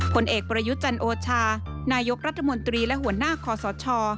ผลเอกประยุทธ์จันโอชานายกรัฐมนตรีและหัวหน้าคอสช